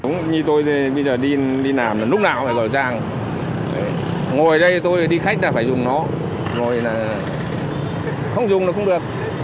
ngồi ở đây tôi đi khách là phải dùng nó ngồi là không dùng là không được